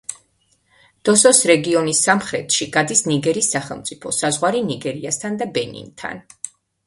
დოსოს რეგიონის სამხრეთში გადის ნიგერის სახელმწიფო საზღვარი ნიგერიასთან და ბენინთან.